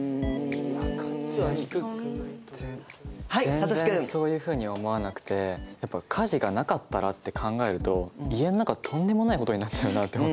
はいさとしくん！全然そういうふうには思わなくてやっぱ家事がなかったらって考えると家の中とんでもないことになっちゃうなあって思って。